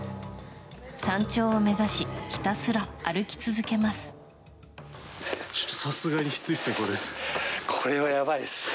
山頂を目指しひたすら歩き続けます。